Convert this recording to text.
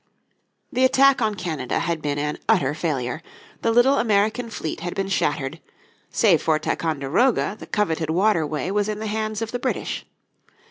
The attack on Canada had been an utter failure, the little American fleet had been shattered, save for Ticonderoga the coveted waterway was in the hands of the British.